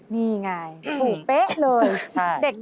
นี่ไงเป๊ะเลย